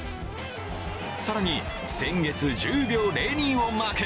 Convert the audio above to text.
更に、先月１０秒０２をマーク。